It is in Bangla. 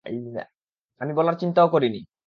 আমি বলার চিন্তাও করিনি।